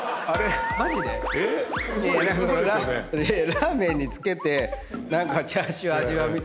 ラーメンに付けてチャーシュー味わうみたいな。